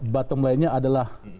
bottom line nya adalah